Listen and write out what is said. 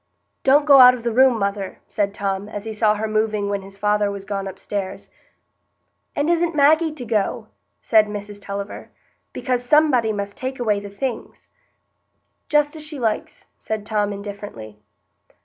"Don't go out of the room, mother," said Tom, as he saw her moving when his father was gone upstairs. "And isn't Maggie to go?" said Mrs Tulliver; "because somebody must take away the things." "Just as she likes," said Tom indifferently.